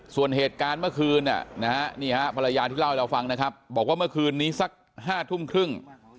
ส่วนเหตุการณ์เมื่อคืนนี่ฮะภรรยาที่เล่าให้เราฟังนะครับบอกว่าเมื่อคืนนี้สัก๕ทุ่มครึ่ง